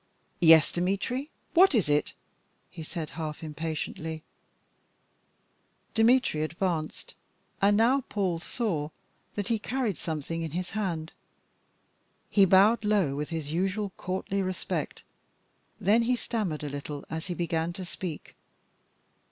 "Yes, Dmitry, what is it?" he said half impatiently. Dmitry advanced, and now Paul saw that he carried something in his hand. He bowed low with his usual courtly respect. Then he stammered a little as he began to speak.